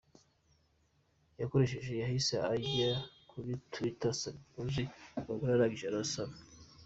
yakoresheje, yahise ajya kuri twitter asaba imbabazi abagore arangije asaba.